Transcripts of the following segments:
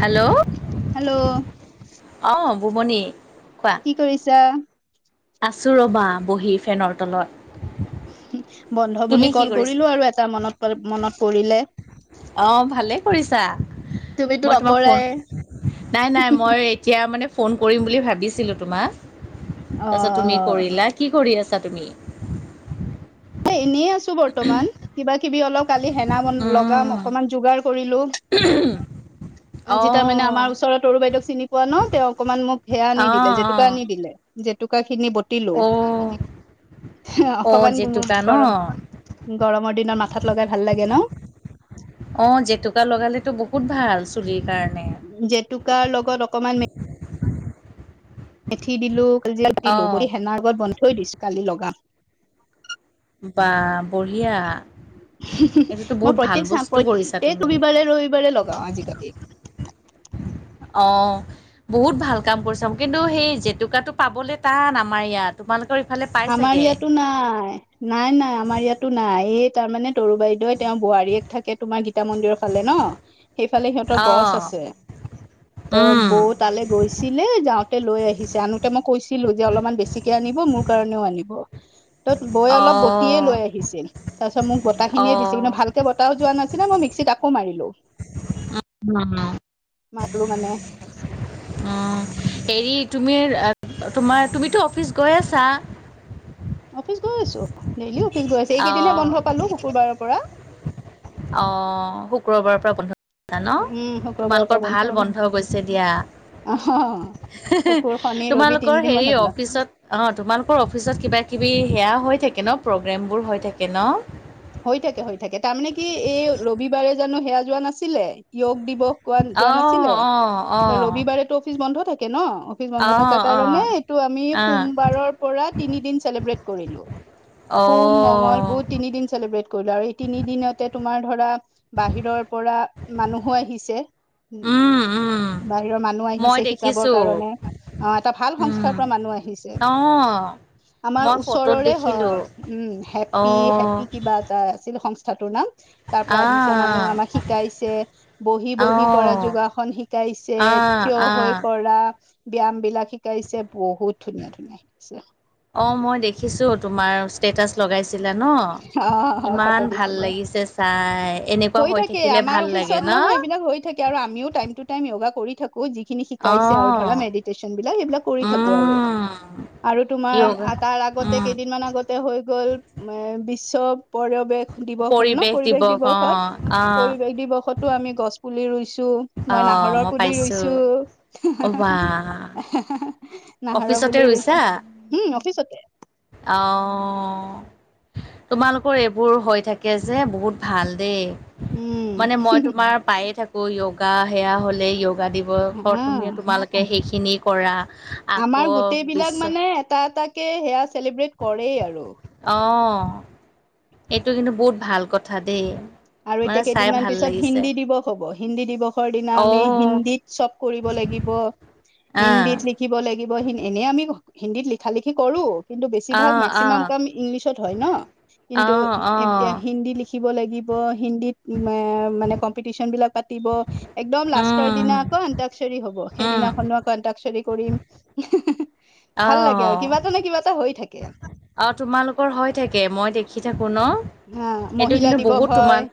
Hello hello অ, বুমণি কোৱা? কি কৰিছা? আছোঁ ৰ'বা বহি ফেনৰ তলত। বন্ধ বুলি তুমি কি কল কৰিছা কৰিলো আৰু এটা মনত, মনত পৰিলে। অ, ভালেই কৰিছা তুমিতো মই তোমাক নকৰাই ফোন নাই, নাই, মই এতিয়া মানে ফোন কৰিম বুলি ভাবিছিলোঁ তোমাক। অ তাৰপিছত অ তুমি কৰিলা। কি কৰি আছা তুমি? এই এনে আছোঁ। বৰ্তমান কিবা কিবি অলপ কালি হেনা বনা লগাম উম অকমান যোগাৰ কৰিলোঁ। [inaudible] অ আজি তাৰ মানে আমাৰ ওচৰত তৰু বাইদেক চিনি পোৱা ন। তেওঁ অকণমান মোক সেয়া আনি অ দিলে জেতুকা আনি দিলে। জেতুকা খিনি বতিলো অ অ অ অকমান জেতুকা [unintelligible] ন গৰমৰ দিনত মাথাত লগাই ভাল লাগে ন। অ' জেতুকা লগালেতো বহুত ভাল চুলিৰ কাৰণে। জেতুকাৰ লগত অকমান। [unintelligible] মেথি দিলো কিয় অ দিলো হেনাৰ লগত বান্ধি থৈ দিছোঁ কালি লগাম। বা বঢ়িয়া। এইটোতো মই বহুত ভাল প্ৰত্যক চা বস্তু কৰিছা প্ৰত্যক তুমি ৰবিবাৰে ৰবিবাৰে লগাওঁ আজিকালি। অ' বহুত ভাল কাম কৰিছা। কিন্তু, সেই জেতুকাটো পাবলে টান আমাৰ ইয়াত। তোমালোকৰ ইফালে। পাই আমাৰ চাগে ইয়াতো নাই নাই নাই আমাৰ ইয়াতো নাই এই তাৰমানে তৰু বাইদেউও। তেওঁৰ বোৱাৰীয়েক থাকে তোমাৰ গীতা মন্দিৰৰ ফালে ন সেইফালে সিহঁতৰ গছ অঁ আছে। [inaudible] ত, উম বৌ তালৈ গৈছিলে, যাওঁতে লৈ আহিছে আনোতে মই কৈছিলোঁ, যে অলপমান বেছিকে আনিব মোক মোৰ কাৰণেও আনিব। ত' বৌয়ে অলপ বটিয়ে অঁ লৈ আহিছিল। তাৰপিছত মোক বটাহ খিনিয়ে অঁ দিছিল কিন্তু ভাল বটাও যোৱা নাছিলে মই মিক্সিত আকৌ মাৰিলোঁ। অ' অ' মালো মানে হৈছে। অ' হেৰি তুমি তোমাৰ তুমিতো অফিচ গৈ আছা। অফিচ গৈ আছোঁ। ডেইলি অফিচ গৈ আছোঁ। এইকেইদিনহে অঁ বন্ধ পালোঁ শুকুৰবাৰৰ পৰা। অ' শুক্ৰবাৰৰ পৰা বন্ধ কৰিছা উম ন শুক্ৰবাৰৰ তোমালোকৰ পৰা ভাল বন্ধ গৈছে দিয়া। অহ শুকুৰ শনি ৰবি তোমালোকৰ তিনদিন বন্ধ হেৰি পালা অফিচত। অ' তোমালোকৰ অফিচত কিবা কিবি সেয়া হৈ থাকে ন প্ৰগ্ৰেমবোৰ হৈ থাকে ন। হৈ থাকে, হৈ থাকে, তাৰমানে কি এই ৰবিবাৰে জানো সেয়া যোৱা নাছিলে য়োগ দিৱস। যোৱা অঁ নাছিলে অঁ ত অঁ ৰবিবাৰেতো অফিচ বন্ধ থাকে ন। অ', বন্ধ থকাৰ কাৰণে অ', এইটো আমি আহ, সোমবাৰৰ পৰা তিনি দিন চেলিব্ৰেটি কৰিলোঁ। সোম, মংগল, অ', বুধ তিনি দিন। চেলিব্ৰেট কৰিলোঁ আৰু তিনি দিনতে তোমাৰ ধৰা বাহিৰৰ পৰা মানুহো আহিছে। উম, উম। বাহিৰৰ মানুহ মই আহিছে শিকাবৰ দেখিছো, কাৰণে। অ' এটা ভাল সংস্থাৰ পৰা মানুহ আহিছে। অহ' আমাৰ ওচৰৰে হয় উম, হেপি অ', হেপি কিবা এটা আছিল সংস্থাটোৰ নাম। তাৰ পৰা আহিছে আহ, মানুহ আমাক শিকাইছে। বহি বহি কৰা অ', যোগাসন শিকাইছে, আহ, থিয় আহ, হৈ কৰা। ব্যায়াম বিলাক শিকাইছে বহুত ধুনীয়া ধুনীয়া শিকাইছে। অ' মই দেখিছোঁ তোমাৰ। ষ্টেটাছ লগাইছিলা ন অ ফটো ইমান ভাল দিছিলো লাগিছে চাই। এনেকুৱা হৈ থাকিলে ভাল লাগে ন। এতিয়া আৰু আমিও টাইম টো টাইম য়োগা কৰি থাকো। বহুত যিখিনি শিকাইছে আৰু অ', ধৰা মেডিটেশচন বিলাক এইবিলাক কৰি থাকো আৰু। উম, আৰু তোমাৰ য়োগা, আতাৰ আগতে কেইটা। উম, কেইদিনমান আগতে হৈ গ'ল বিশ্ব পৰিৱেশ দিৱস হ'ল ন পৰিৱেশ দিৱস দিৱসত। অ', আহ, পৰিৱেশ দিৱসতো আমি গছ পুলি ৰুইছো, মই অ' নাহৰৰ পুলি পাইছোঁ। ৰুইছো। অ' বাহ নাহৰ অফিচতে পুলি ৰুইছা? ৰুইছে, উম অফিচতে। অ'। তোমালোকৰ এইবোৰ হৈ থাকে যে বহুত ভাল দেই। মানে উম মই তোমাৰ পায়ে থাকো য়োগা সেয়া হলে য়োগা দিৱস আ তুমি তোমালোকে সেইখিনি কৰা। আকৌ আমাৰ গোটেই বিলাক বিশ্ব মানে এটা এটাকে সেয়া চেলিব্ৰেট কৰেই আৰু। অ' সেইটো কিন্তু বহুত ভাল কথা দেই। আৰু মানে এতিয়া চাই কেইদিনমান ভাল পিছত লাগিছে। হিন্দী দিৱস। হিন্দী দিৱস দিনা আমি অ' হিন্দীত চব কৰিব লাগিব আহ হিন্দীত লিখিব। লিখিব লাগিব এনেই আমি হিন্দীত লিখা লিখি কৰোঁ। কিন্তু বেছিভাগ আহ মেক্সিমাম কাম ইংলিছত হয় ন কিন্তু আহ অ' এতিয়া অ' হিন্দী লি লিখিব লাগিব হিন্দীত মানে কম্পিটিচন বিলাক পাতিব। একদম লাষ্টৰ উম দিনা আকৌ আন্তাকচৰৰি হব উম সেইদিনাখনো কন্তাকচৰি কৰিম ভাল লাগে আৰু কিবা এটা নে কিবা এটা হৈ থাকে। অ' তোমালোকৰ হৈ থাকে মই দেখি থাকোঁ ন। হা এইটো মহিলা কিন্তু দিৱস বহুত হয় তোমাৰ,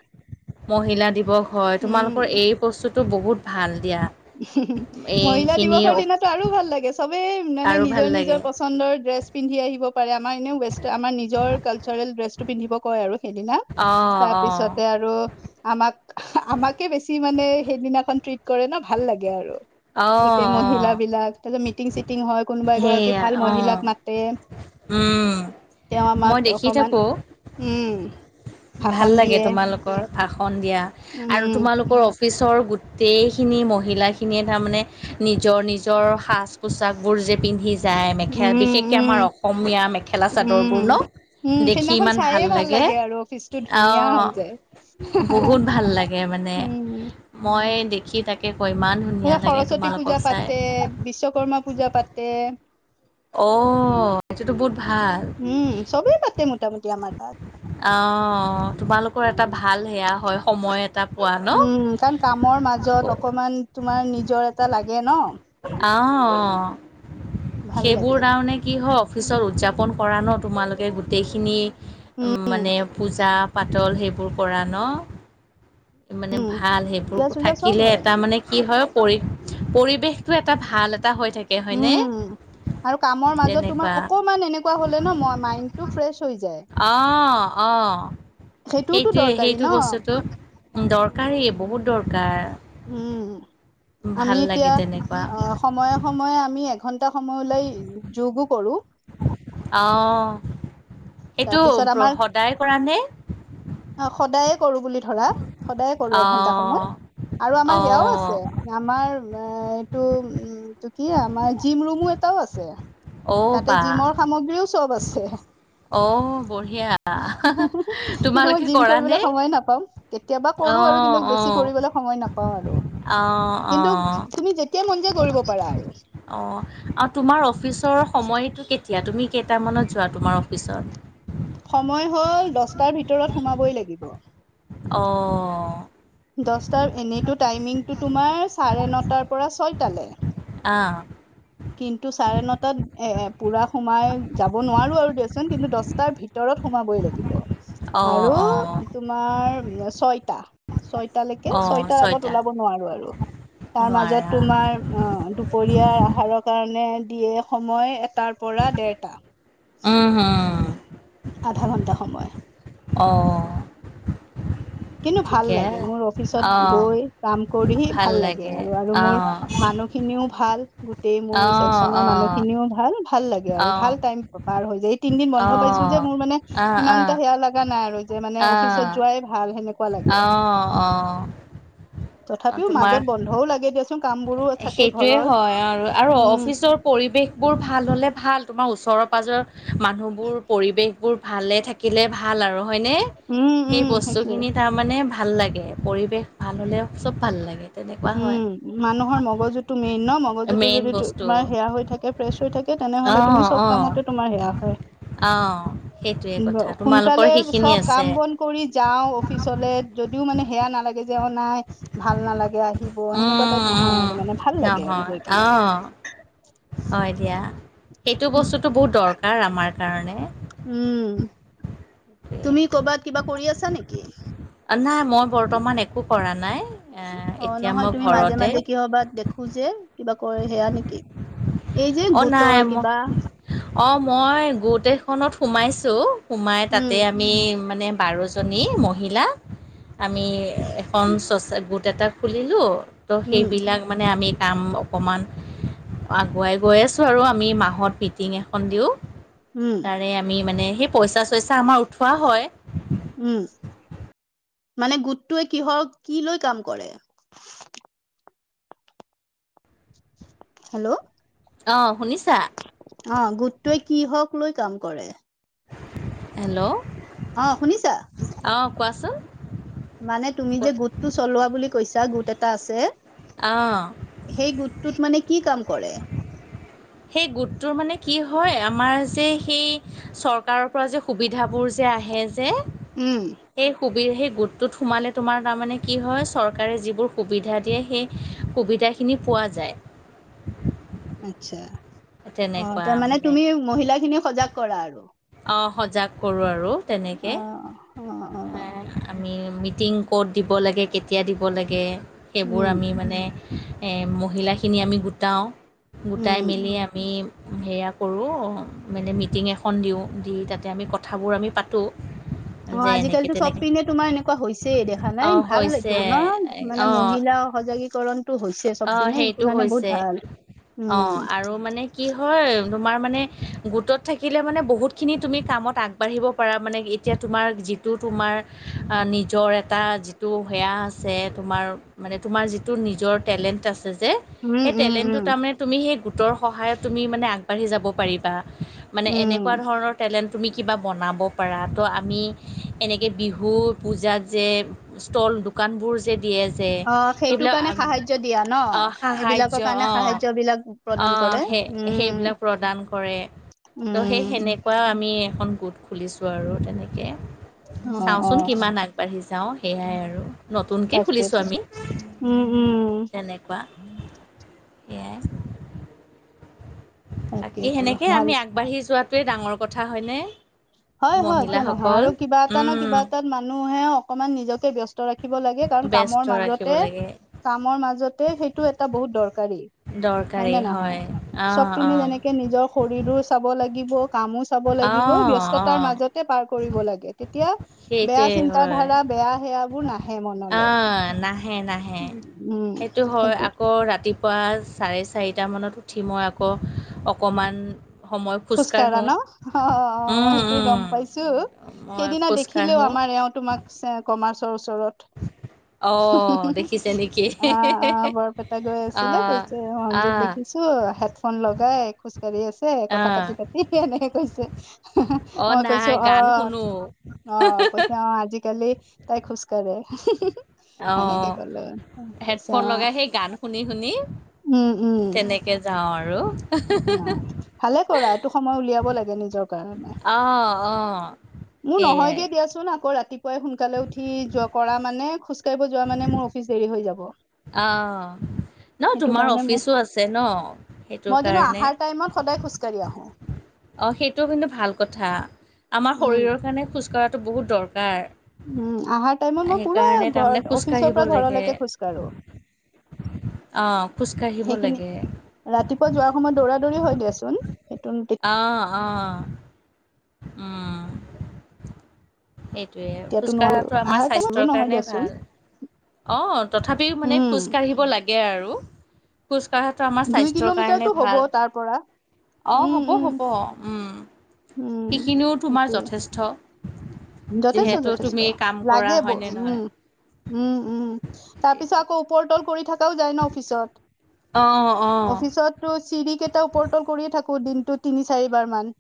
মহিলা দিৱস হয়, উম তোমালোকৰ এই বস্তুটো বহুত ভাল দিয়া। মহিলা এইখিনি দিৱসৰ দিনাতো আৰু ভাল লাগে চবেই মানে আৰু ভাল নিজৰ নিজৰ লাগে পচ পচন্দৰ ড্ৰেছ পিন্ধি আহিব পাৰে আমাৰ এনেও ৱেষ্ট আমাৰ নিজৰ কালচাৰেল ড্ৰেছতটো পিন্ধিব কয় আৰু। সেইদিনা, অ তাৰ অ পিছতে আৰু আমাক আমাকে বেছি মানে সেইদিনাখন ট্ৰিট কৰে ন ভাল লাগে আৰু। অ গোটেই অ মহিল বিলাক, তাৰ পিছত মিটিং চিটিং হয় কোনোবা এগৰাকী সেইয়া ভাল অ মহিলাক মাতে। উম তেওঁ মই আমাক দেখি অকমান, থাকো উম। ভাল ভাষণ লাগে দিয়ে তোমালোকৰ ভাষণ দিয়া উম আৰু তোমালোকৰ অফিচৰ গোটেইখিনি মহিলাখিনিয়ে তাৰমানে নিজৰ নিজৰ সাজ পোছাকবোৰ যে পিন্ধি যায় মেখেলা উম বিশেষকৈ উম আমাৰ অসমীয়া মেখেলা উম চাদৰবোৰ ন। দেখি ইমান ভাল লাগে। অফিছটো অ' বহুত ভাল লাগে, মানে উম মই দেখি তাকে ত ক ইমান ধুনীয়া লাগে সৰস্বতী তোমালোকক পূজা চাই পাতে, বিশ্বকৰ্মা পূজা পাতে। অ' সেইটো বহুত ভাল। উম চবেই পাতে মোটামুটি আমাৰ তাত অ' তোমালোকৰ এটা ভাল সেয়া হয়, সময় এটা এটা পোৱা। ন উম কাৰণ কামৰ মাজত অকমান তোমাৰ নিজৰ এটা লাগে ন। অ' অ' ভাল লাগে সেইবোৰ তাৰমানে কি হয় অফিচত উদযাপন কৰা ন তোমালোকে গোটেইখিনি, উম মানে পূজা পাতল সেইবোৰ কৰা ন। মানে ভাল সেইবোৰ পূজা চূজা চব থাকিলে হয় এটা মানে কি হয় পৰি পৰিৱেশ টো এটা ভাল এটা হৈ থাকে। হয়নে উম। আৰু কামৰ মাজত তেনেকুৱা তোমাৰ অকমান এনেকুৱা হলে ন মাইন্দটো ফ্ৰেছ হৈ যায়। অ' অ' সেইটোওতো সেইটোৱে দৰকাৰী ন সেইটো বস্তুটো দৰকাৰী বহুত দৰকাৰ। উম, আমি ভাল লাগে এতিয়া তেনেকুৱা অ'। সময়ে সময়ে আমি এঘন্টা সময় ওলাই যোগো কৰো। অ' এইটো তাৰপিছত সদায় কৰা নে? অ' সদায়ে কৰো বুলি ধৰা সদায়ে কৰো এঘন্টা সময় অঁ আৰু আমাৰ সেয়াও অঁ আছে। আমাৰ, এইটো উমটো কি আমাৰ জিম ৰুমো এটাও আছে। অ' তাতে, বা জিমৰ সামগ্ৰীও চব আছে। অ', বঢ়িয়া। কিন্তু মই, তোমালোকে জিম কৰা কৰিবলৈ নে? সময় নাপাওঁ, কেতিয়াবা কৰো আৰু, কিন্তু অ' বেছি অ' কৰিবলৈ সময় নাপাওঁ আৰু অ' কিন্তু অ' তুমি, যেতিয়া মন যায় কৰিব পাৰা, আৰু অ', আৰু তোমাৰ অফিচৰ সময়টো কেতিয়া, তুমি কেইটামানত যোৱা তোমাৰ অফিচত সময় হ'ল, দহটাৰ ভিতৰত সোমাবই লাগিব। অ', দহটাৰ, এনেইতো টাইমিংটো তোমাৰ চাৰে নটাৰ পৰা ছয়টালৈ। অ', কিন্তু চাৰে নটাত, এ পুৰা সোমাই যাব নোৱাৰো আৰু দিয়চোন কিন্তু দহটাৰ ভিতৰত ভিতৰত সোমাবই লাগিব, আৰু অ' অ' তোমাৰ ছয়টা ছয়টালৈকে, অ' ছয়টাৰ আগত ছয়টা ওলাব নোৱাৰো আৰু তাৰ মাজত নোৱাৰা তোমাৰ অ', দুপৰিয়াৰ আহাৰৰ কাৰণে দিয়ে সময় এটাৰ পৰা দেৰটা উম-হুম আধা ঘণ্টা সময়। অ', কিন্তু ভাল ঠিকে লাগে, মোৰ অফিচত অ' গৈ কাম কৰি, ভাল লাগে আৰু আৰু মোৰ মানুহ- খিনিও ভাল, গোটেই মোৰ অ' চছেকচনৰ অ' মানুহ অ' খিনিও ভাল, ভাল লাগে আৰু ভাল অ' টাইম পাৰ হৈ য, এই তিনদিন বন্ধ পাইছো যে মোৰ মানে, আহ সিমান আহ এটা সেয়া লগা নাই আৰু যে মানে আহ অফিচত যোৱাই ভাল সেনেকে অ', তথাপিও, তোমাৰ মাজত বন্ধও লাগে দিয় সেইটোয়ে হয়, আৰু আৰু উম অফিচৰ পৰিৱেশবোৰ ভাল হ'লে ভাল, তোমাৰ ওচৰৰ-পাজৰৰ মানুহবোৰ পৰিৱেশ- বোৰ ভালে থাকিলে, ভাল, আৰু হৈনে উম সেই উম সেইটোয়ে বস্তুখিনি [unintelligible] মানে, ভাল লাগে, পৰিৱেশ ভাল হ'লে চব ভাল লাগে তেনেকুৱা হয়। উম মানুহৰ মগজুটো মেইন ন মগ মগজুটো মেইন যদি বস্তু তোমাৰ সেয়া হৈ থাকে, ফ্ৰেছ হৈ থাকে তেনেহলে তুমি অ', চব অ', কামতে তোমাৰ সেয়া হয়। অ', সেইটোৱে কথা তোমালোকৰ সোনকালে সেইখিনি চব কাম আছে বন। কৰি যাও অফিচলে যদিও মানে, সেয়া নালাগে যে অ', নাই ভাল নালাগে আহি আহিব সেনেকুৱা উম, টাইপ নহয়, উম, আৰু মানে ভাল লাগে আৰু নহয় গৈ পেলাই। অ', - হয় দিয়া, সেইটো বস্তুটো বহুত দৰকাৰ, আমাৰ কাৰণে। উম, তুমি কৰ'বাত কিবা কৰি আছা নেকি। নাই, মই বৰ্তমান একো কৰা নাই, অ এতিয়া নহয় মই তুমি মাজে ঘৰতে। মাজে কিহবাত দেখো যে, কিবা কৰে সেয়া নেকি, এই যে অ নাই গোটৰ মই কিবা অ', মই গোট এখনত সোমাইছো সোমাই তাতে উম আমি মানে বাৰ জনী মহিলাক, আমি এখন চচা গোট এটা খুলিলোঁ ত' উম সেইবিলাক মানে আমি কাম। - অকণমান, আগুৱাই গৈ আছোঁ আৰু আমি মাহত মিটিং এখন দিওঁ। উম, তাৰে, আমি মানে সেই পইচা চইচা আমাৰ উঠোৱা হয়। উম, মানে, গোটটোৱে কিহৰ কি লৈ কাম কৰে। হেল্ল' অ', শুনিছা অ', গোটোৱে কি হক লৈ কাম কৰে। হেল্ল' অ', শুনিছা অ', কোৱাচোন মানে, তুমি যে, গোটো চলোৱা বুলি কৈছা গোট এটা আছে। অ'। সেই গোটটোত মানে কি কাম কৰে? সেই গোটটোৰ মানে কি হয়? আমাৰ যে সেই চৰকাৰৰ পৰা যে, সুবিধাবোৰ যে, আহে যে উম। সেই সুবি, সেই গোটটোত সোমালে তোমাৰ তাৰমানে কি হয়? চৰকাৰে যিবোৰ সুবিধা দিয়ে, সেই সুবিধাখিনি পোৱা যায়। আচ্ছা। অ', তেনেকুৱা তাৰমানে মানে তুমি মহিলা খিনিক সজাগ কৰা আৰু অ', সজাগ কৰোঁ আৰু তেনেকে অ অ অ আমি মিটিং ক'ত দিব লাগে, কেতিয়া দিব লাগে, সেইবোৰ উম আমি মানে এ, মহিলাখিনি আমি গোটাওঁ, গোটাই উম মেলি আম আমি সেইয়া কৰোঁ, মানে, মিটিং এখন দিওঁ দি, তাতে আমি কথাবোৰ আমি পাতোঁ। অ', যে এনেকে আজিকালিটো চব তেনেকে পিনে তোমাৰ এনেকুৱা হৈছেই, দেখা অ নাই, ভাল হৈছে এইটো ন? মানে অ মহিলা সজাগী কৰণটো হৈছে, অ চব পিনে, সেইটো কাৰণে হৈছে বহুত ভাল। অ', উম। আৰু মানে কি হয়? তোমাৰ মানে গোটত থাকিলে মানে, বহুতখিনি তুমি কামত আগ বাঢ়িব পাৰা মানে, এতিয়া তোমাৰ যিটো, তোমাৰ নিজৰ এটা টো সেয়া আছে তোমাৰ, মানে তোমাৰ যিটো নিজৰ টেলেণ্ট আছে যে, উম সেই উম টেলেণ্টটো উম তাৰমানে তুমি সেই গোটৰ সহায়ত, তেমি মানে আগবাঢ়ি যাব পাৰিবা, মানে উম এনেকুৱা ধৰণৰ টেলেণ্ট তুমি কিবা বনাব পাৰা, ত', আমি এনেকে বিহু-পূজাত যে ষ্টল-দোকানবোৰ যে দিয়ে যে, অ সেইটো সেইবিলাক কাৰণে আম সাহায্য দিয়া ন অ', সেইবিলাকৰ সাহাৰ্য, কাৰণে অ', অ', সাহায্য বিলাক প্ৰদান অ', কৰে উম সেই-সেইবিলাক প্ৰদান কৰে। ত', সেই উম সেনেকুৱা, আমি এখন গোট খুলিছোঁ আৰু তেনেকে অ অ চাওঁচোন কিমান আগবাঢ়ি যাওঁ, সেয়াই আৰু নতুনকে খুলিছোঁ তাকেইতো আমি উম, উম। তেনেকুৱা, সেয়াই বাকী তাকেইতো সেনেকে ভাল আমি আগবাঢ়ি যোৱাটোৱেই ডাঙৰ কথা হয় নে? হয় হয়, কিয় নহয়! আৰু কিবা এটা, নহয় উম কিবা এটা মানুহে অকণমান নিজকে ব্যস্ত ৰাখিব লাগে, কাৰণ কামৰ ব্যস্ত ৰাখিব মাজতে লাগে কামৰ মাজতে, সেইটো এটা বহুত দৰকাৰী হয় দৰকাৰী নে নহয়? চব অঁ পিনে অঁ যেনেকে নিজৰ শৰীৰো চাব লাগিব, কামো চা চাব লাগিব, অঁ ব্যস্ত অঁ য'তে পাৰ কৰিব লাগে, তেতিয়া বেয়া সেইটোৱে হয় চিন্তা-ধাৰা, বেয়া সেয়াবোৰ নাহে মনলে অ', নাহে নাহে, সেইটো হয়। আকৌ ৰাতি পুৱা চাৰে-চাৰিটামানত উঠি, মই আকৌ অকণমান সময় খোজ কাঢ়া খোজকাঢ়োঁ ন? অ', অ', মই উম, সেইটো গম পাইছোঁ। উম। মই সেইদিনা দেখ খিলেও খোজকাঢ়োঁ আমাৰ এওঁ তোমাক, কমাৰ্চৰ ওচৰত অ', দেখিছে নি? আ, আ, বৰপেটা গৈ আছিলে, অঁ কৈছে অঞ্জুক অঁ দেখিছোঁ, হেডফোন লগাই খোজ কাঢ়ি আছে, কথা অঁ পাতি-পাতি এনেকে কৈছে। অঁ মই নাই কৈছোঁ গান অ' শুনো অ', কৈছে অ', আজিকালি তাই খোজ কাঢ়ে। অ', হেডফোন অ লগাই সেই গান শুনি-শুনি উম তেনেক কে যাওঁ আৰু উম, ভালেই কৰা। এইটো সময় উলিয়াব লাগে নিজৰ কাৰণে। অঁ অঁ মোৰ সেয়াই নহয়গে, দিয়াচোন আকৌ ৰাতিপুৱাই সোনকালে উঠি যোৱা কৰা, মানে খোজ কাঢ়িব যোৱা মানে মোৰ অফিচ দেৰি হৈ যাব। আ, নহয় সেইটো তোমাৰ কাৰণে মই অফিচো আছে ন? সেইটো মই কিন্তু কাৰণে আহাৰ টাইমত সদায় খোজ কাঢ়ি আহোঁ। অ', সেইটো কিন্তু ভাল কথা। আমাৰ উম শৰীৰৰ কাৰণে খোজ কঢ়াটো বহুত দৰকাৰ। উম আহহাৰ টাইমত মই পুৰা সেইকাৰণে তাৰমানে ঘৰত অফিচৰ খোজকাঢ়িব পৰা ঘৰলৈকে খোজ কঢ়ো আহ খোজকাাঢ়িব লাগে ৰাতিপুৱা যোৱাৰ সময়ত দৌৰা দৌৰি হৈ দিয়াচোন সেইটো অঁ অঁ উম এইটোোৱে তেতিয়াতো খোজ নোৱাৰো কঢ়াটো আমাৰ আহাৰ টাইমৰো স্বাস্থ্যৰ নহয় কাৰণে দিয়াচোন ভাল অ তথাপিও মানে উম খোজ কাঢ়িব লাগে আৰু খোজ কঢ়াটো আমাৰ দুই স্বাস্থ্যৰ কিলোমিটাৰটো কাৰণে হ'ব ভাল তাৰ পৰা অ উম হ'ব উম হ'ব উম উম সেইখিনিও তোমাৰ সেইটোৱে যথেষ্ট যথেষ্ট যিহেতু যথেষ্ট তুমি কাম কৰা লাগে ব হয়নে নহয়? উম উম উম তাৰ পিছত সেইটোৱে আকৌ ওপৰতল কৰি থকাও যায় ন অফিচত অঁ অঁ অফিচত চিৰি কেইটা ওপৰতল কৰিয়ে থাকো দিনটো তিনি চাৰিবাৰ মান